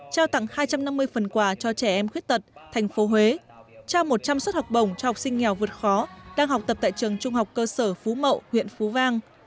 trao tặng hai trăm năm mươi phần quà cho trẻ em khuyết tật tp huế trao một trăm linh suất học bổng cho học sinh nghèo vượt khó đang học tập tại trường trung học cơ sở phú mậu huyện phú vang